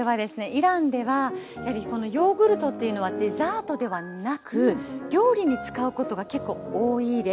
イランではヨーグルトっていうのはデザートではなく料理に使うことが結構多いです。